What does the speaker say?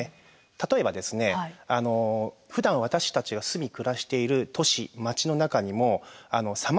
例えばですねふだん私たちが住み暮らしている都市街の中にもさまざまなサインがあります。